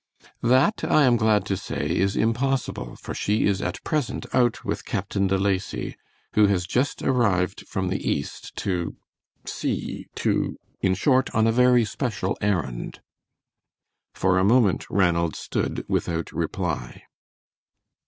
"That, I am glad to say, is impossible, for she is at present out with Captain De Lacy who has just arrived from the East to see to in short, on a very special errand." For a moment Ranald stood without reply.